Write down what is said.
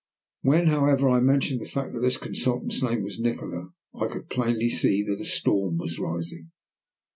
When, however, I mentioned the fact that that consultant's name was Nikola, I could plainly see that a storm was rising.